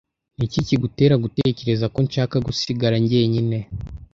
Niki kigutera gutekereza ko nshaka gusigara njyenyine?